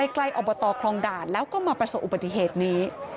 อบตคลองด่านแล้วก็มาประสบอุบัติเหตุนี้